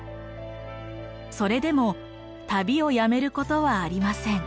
それでも旅をやめることはありません。